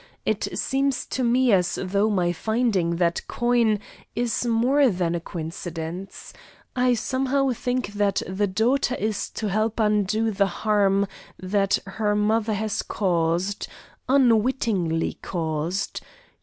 It seems to me as though my finding that coin is more than a coincidence. I somehow think that the daughter is to help undo the harm that her mother has caused unwittingly caused.